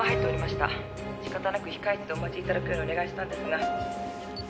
仕方なく控室でお待ちいただくようにお願いしたんですが」